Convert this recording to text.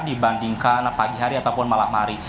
dibandingkan dengan pagi dan siang hari tadi